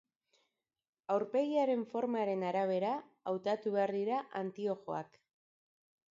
Aurpegiaren formaren arabera hautatu behar dira antiojoak.